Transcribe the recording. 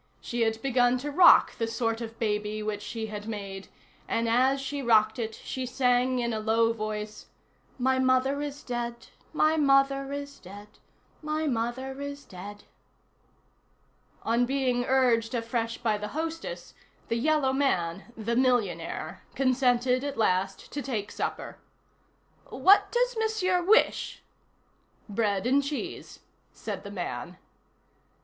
She had begun to rock the sort of baby which she had made, and, as she rocked it, she sang in a low voice, "My mother is dead! my mother is dead! my mother is dead!" On being urged afresh by the hostess, the yellow man, "the millionaire," consented at last to take supper. "What does Monsieur wish?" "Bread and cheese," said the man.